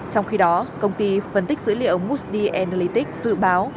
trong khi đó công ty phân tích dữ liệu moody analytics dự báo